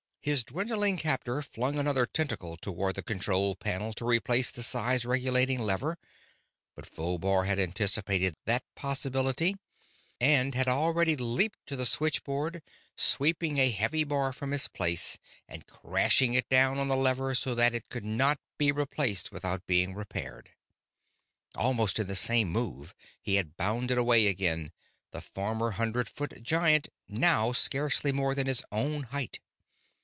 His dwindling captor flung another tentacle toward the control panel to replace the size regulating lever. But Phobar had anticipated that possibility and had already leaped to the switchboard, sweeping a heavy bar from its place and crashing it down on the lever so that it could not be replaced without being repaired. Almost in the same move he had bounded away again, the former hundred foot giant now scarcely more than his own height.